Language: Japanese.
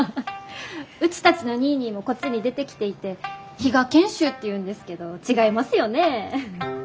うちたちのニーニーもこっちに出てきていて比嘉賢秀っていうんですけど違いますよね？